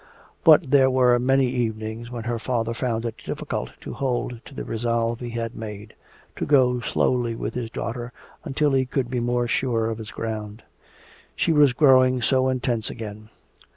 But there were many evenings when her father found it difficult to hold to the resolve he had made, to go slowly with his daughter until he could be more sure of his ground. She was growing so intense again.